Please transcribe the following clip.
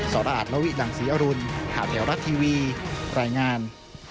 สระอาจนวิหลังศรีอรุณข่าวแถวรัฐทีวีรายงาน